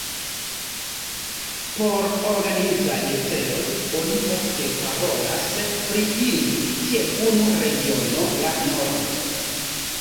Por organizaj celoj, oni ofte parolas pri ili kiel unu regiono, La Nordo.